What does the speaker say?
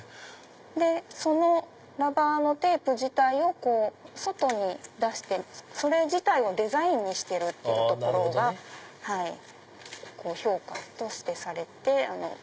そのラバーのテープ自体を外に出してそれ自体をデザインにしてるところが評価としてされて。